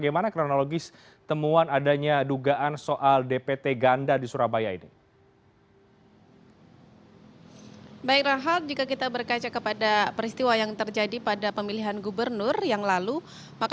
ini juga sempat ditemukan di pt ganda